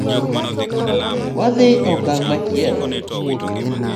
Wadhi e okang’ machielo